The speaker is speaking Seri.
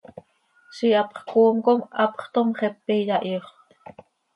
Ziix hapx coom com hapx toom, xepe iyahiixöt.